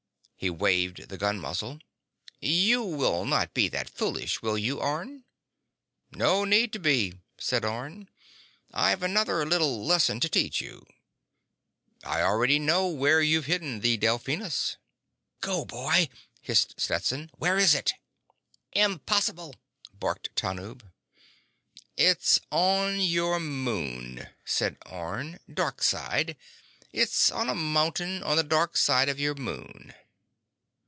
He waved the gun muzzle. "You will not be that foolish, will you, Orne?" "No need to be," said Orne. "I've another little lesson to teach you: I already know where you've hidden the Delphinus." "Go, boy!" hissed Stetson. "Where is it?" "Impossible!" barked Tanub. "It's on your moon," said Orne. "Darkside. It's on a mountain on the darkside of your moon."